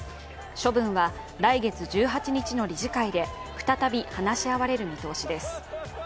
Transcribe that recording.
処分は来月１８日の理事会で再び話し合われる見通しです。